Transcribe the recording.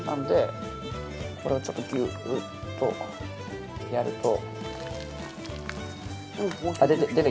これをちょっとギュッとやると。